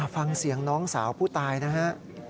ฟังเสียงน้องสาวผู้ตายนะฮะ